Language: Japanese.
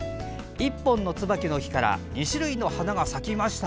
１本のつばきの木から２種類の花が咲きました。